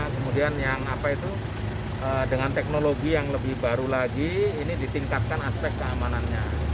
kemudian dengan teknologi yang lebih baru lagi ini ditingkatkan aspek keamanannya